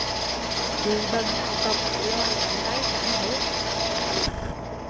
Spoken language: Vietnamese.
Chị bận áo cộc lòi cánh tay trắng hếu